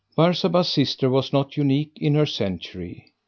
Barsabas' sister was not unique in her century.